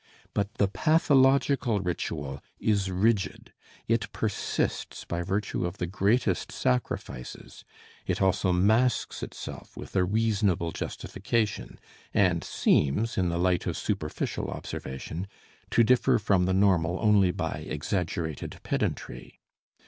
But the pathological ritual is rigid, it persists by virtue of the greatest sacrifices, it also masks itself with a reasonable justification and seems, in the light of superficial observation, to differ from the normal only by exaggerated pedantry.